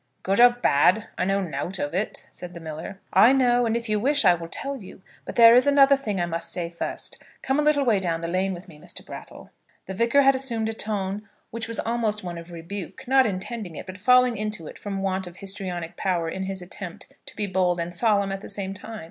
"Good or bad, I know nowt of it," said the miller. "I know, and if you wish I will tell you; but there is another thing I must say first. Come a little way down the lane with me, Mr. Brattle." The Vicar had assumed a tone which was almost one of rebuke, not intending it, but falling into it from want of histrionic power in his attempt to be bold and solemn at the same time.